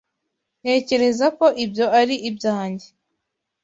Ntekereza ko ibyo ari ibyanjye